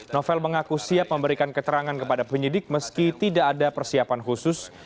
novel mengaku siap memberikan keterangan kepada penyidik meski tidak ada persiapan khusus